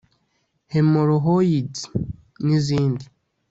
hemorrhoids n’izindi